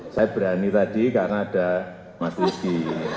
saya berani tadi karena ada mas rizky